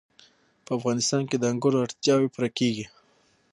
په افغانستان کې د انګورو اړتیاوې پوره کېږي.